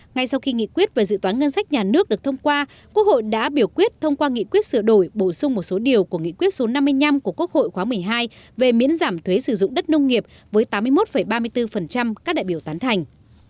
ngay sau khi nghị quyết về dự toán ngân sách nhà nước được thông qua quốc hội đã biểu quyết thông qua nghị quyết sửa đổi bổ sung một số điều của nghị quyết số năm mươi năm của quốc hội khóa một mươi hai về miễn giảm thuế sử dụng đất nông nghiệp với tám mươi một ba mươi bốn các đại biểu tán thành